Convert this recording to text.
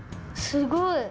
すごい。